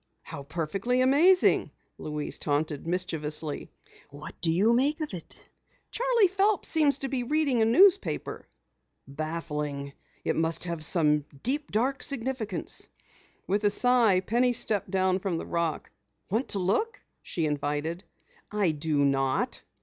"How perfectly amazing!" Louise taunted mischievously. "What do you make of it?" "Charley Phelps seems to be reading a newspaper." "Baffling! It must have some deep, dark significance." With a sigh, Penny stepped down from the rock. "Want to look?" she invited. "I do not!"